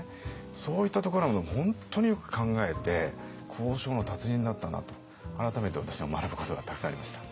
そういったところを本当によく考えて交渉の達人だったなと改めて私は学ぶことがたくさんありました。